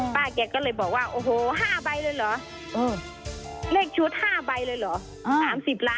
ป้าแกก็เลยบอกว่าโอโห๕ใบเลยหรอ